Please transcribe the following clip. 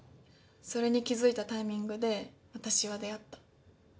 それに気付いたタイミングで私は出会った。